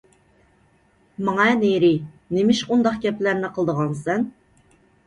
— ماڭە نېرى، نېمىشقا ئۇنداق گەپلەرنى قىلىدىغانسەن؟